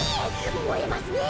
もえますねえ！